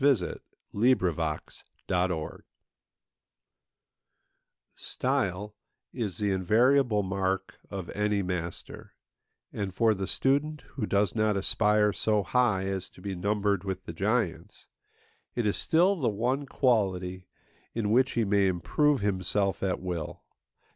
93A NOTE ON REALISM Style is the invariable mark of any master; and for the student who does not aspire so high as to be numbered with the giants, it is still the one quality in which he may improve himself at will.